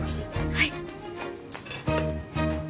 はい。